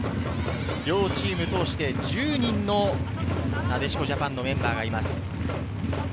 両チームとして１０人のなでしこジャパンのメンバーがいます。